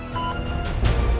ya allah papa